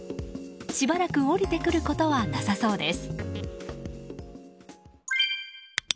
しばらく下りてくることはなさそうです。